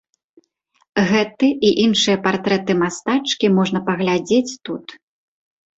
Гэты і іншыя партрэты мастачкі можна паглядзець тут.